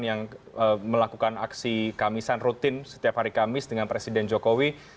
yang melakukan aksi kamisan rutin setiap hari kamis dengan presiden jokowi